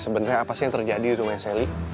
sebenernya apa sih yang terjadi di rumahnya selly